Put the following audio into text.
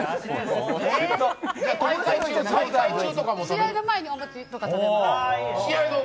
試合の前にお餅とか食べます。